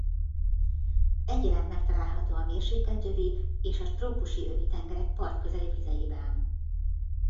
Egyaránt megtalálható a mérsékelt övi és a trópusi övi tengerek partközeli vizeiben.